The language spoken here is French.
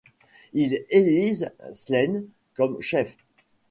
Ils élissent Sláine comme chef.